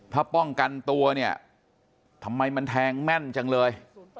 ถ้าป้องกันตัวเนี่ยทำไมมันแทงแม่นจังเลย